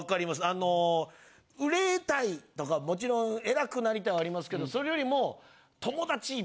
あの売れたいとかもちろん偉くなりたいはありますけどそれよりも。